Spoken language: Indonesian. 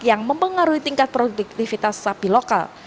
yang mempengaruhi tingkat produktivitas sapi lokal